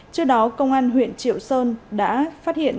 trước đó công an huyện triệu sơn đã phát hiện công ty trách nhiệm